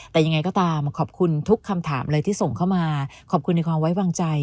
แต่ยังไงก็ตามขอบคุณทุกคำถามเลยที่ส่งเข้ามาขอบคุณในความไว้วางใจ